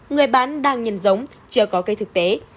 người bán đang nhân giống chưa có cây thực tế